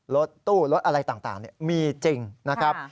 รถตู้รถอะไรต่างมีจริงนะครับ